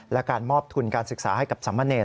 และการมอบทุนการศึกษาให้กับสามเณร